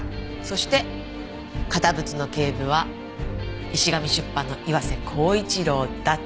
そして堅物の警部は石神出版の岩瀬厚一郎だっていわれてる。